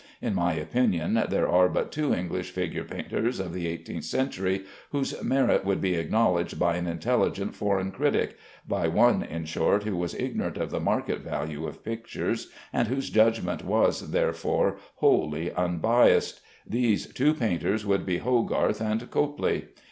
In my opinion there are but two English figure painters of the eighteenth century whose merit would be acknowledged by an intelligent foreign critic by one, in short, who was ignorant of the market value of pictures, and whose judgment was, therefore, wholly unbiased. These two painters would be Hogarth and Copley.